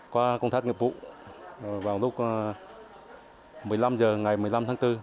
qua công tác nghiệp vụ vào lúc một mươi năm h ngày một mươi năm tháng bốn